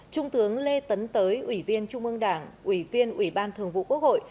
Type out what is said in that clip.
trung tướng lê tấn tới ủy viên trung ương đảng ủy viên ủy ban thường vụ quốc hội